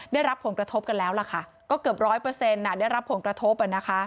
ได้รับผงกระทบกันแล้วล่ะค่ะก็เกือบ๑๐๐ได้รับผงกระทบ